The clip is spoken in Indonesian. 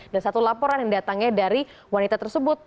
dan satu laporan yang datangnya dari wanita tersebut